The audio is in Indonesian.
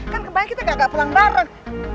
kan kembali kita gak pulang bareng